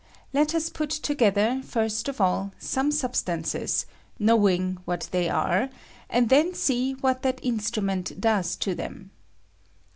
Let us put together, first of all, some substances, knowing what they are, and then see what that inatra ment does to them.